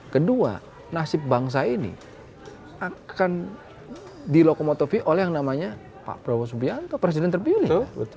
kedua nasib bangsa ini akan dilokomotofi oleh yang namanya pak prabowo subianto presiden terpilih